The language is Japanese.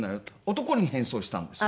男に変装したんですよ。